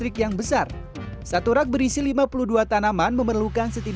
karena kita bisa memprediksi